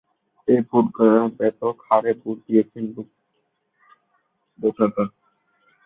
এই গণভোটে ব্যাপক হারে ভোট দিয়েছেন ভোটাররা।